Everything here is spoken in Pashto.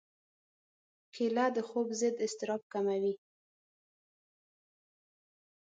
کېله د خوب ضد اضطراب کموي.